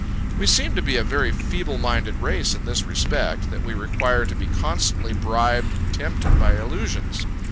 We seem to be a very feeble minded race in this respect, that we require to be constantly bribed and tempted by illusions.